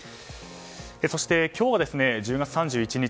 そして、今日は１０月３１日。